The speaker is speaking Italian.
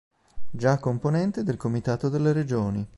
Già componente del Comitato delle regioni.